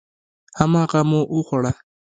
هماغه مو وخوړه.